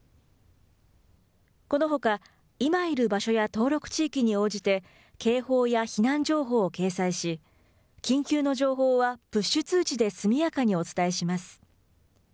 このほか、今いる場所や登録地域に応じて警報や避難情報を掲載し、緊急の情報は、プッシュ通知で速やかにお伝えします。